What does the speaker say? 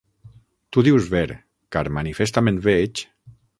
Tu dius ver, car manifestament veig...